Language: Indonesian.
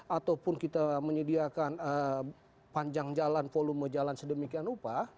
ataupun kita menyediakan panjang jalan volume jalan sedemikian rupa